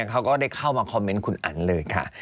เขาก็ได้เข้ามาคอมเมนต์คุณอันเลยค่ะ